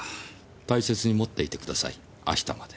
大切に持っていてください明日まで。